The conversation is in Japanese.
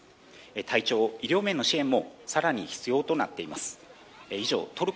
体調、医療面の支援も更に必要となっています。